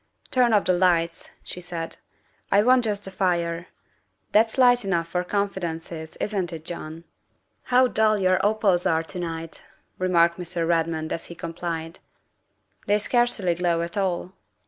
Turn off the lights," she said, " I want just the fire. That's light enough for confidences, isn't it, John?" " How dull your opals are to night," remarked Mr. Redmond as he complied, " they scarcely glow at all."